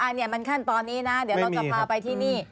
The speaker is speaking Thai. อันนี้มันขั้นตอนนี้นะเดี๋ยวเราจะพาไปที่นี่